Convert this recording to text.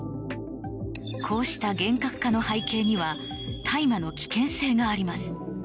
こうした厳格化の背景には大麻の危険性があります。